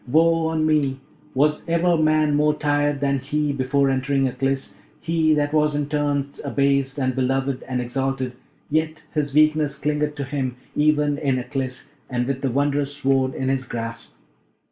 woe on me! Was ever man more tired than he before entering Aklis, he that was in turns abased and beloved and exalted! yet his weakness clingeth to him, even in Aklis and with the Wondrous Sword in his grasp.'